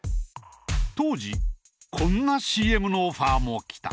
当時こんなＣＭのオファーも来た。